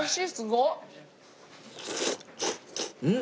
うん！